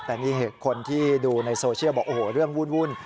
แต่นี่คนที่ดูในโซเชียลบอกโอ้โหเรื่องวุ่น